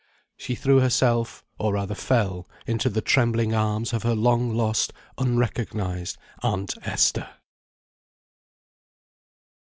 She threw herself, or rather fell, into the trembling arms of her long lost, unrecognised aunt Esther.